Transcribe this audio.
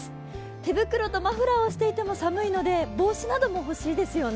手袋とマフラーをしていても寒いので帽子なども欲しいですよね。